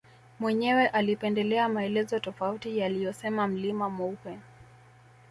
Mwenyewe alipendelea maelezo tofauti yaliyosema mlima mweupe